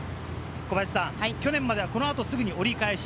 小林さん、去年まではこの後すぐに折り返し。